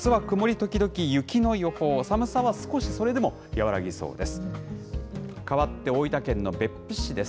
時々雪の予報、寒さは少し、それでも和らぎそうです。